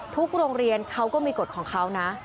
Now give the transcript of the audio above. ทุกโรงเรียนเขาก็มีกฎของเขานะ